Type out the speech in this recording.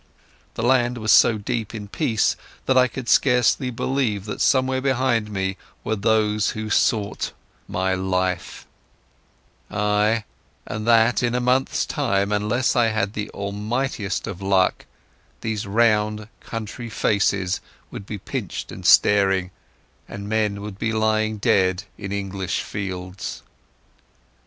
The land was so deep in peace that I could scarcely believe that somewhere behind me were those who sought my life; ay, and that in a month's time, unless I had the almightiest of luck, these round country faces would be pinched and staring, and men would be lying dead in English fields.